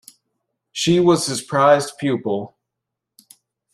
She was his prized pupil.